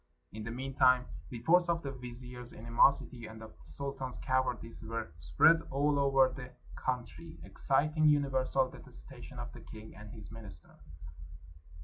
In the mean time reports of the vizier's animosity and of the sultan's cowardice were spread all over the coun try, exciting universal detestation of the king and his minister.